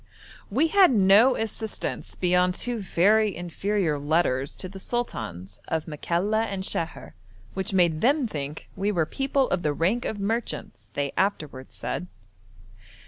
We had no assistance beyond two very inferior letters to the sultans of Makalla and Sheher, which made them think we were 'people of the rank of merchants,' they afterwards said.